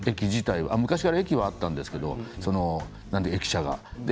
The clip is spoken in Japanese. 昔から駅はあったんですけど駅舎がね。